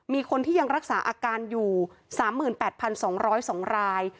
มีคนที่ยังรักษาอาการอยู่๓๘๒๐๒ราย